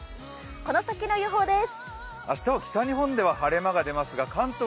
この先の予報です。